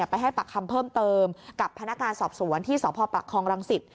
ไปให้ปรับคำเพิ่มเติมกับพนักการณ์สอบสวนที่สพครังศิษฐ์